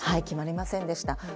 決まりませんでした。